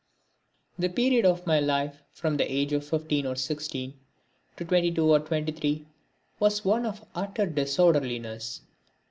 This period of my life, from the age of fifteen or sixteen to twenty two or twenty three, was one of utter disorderliness.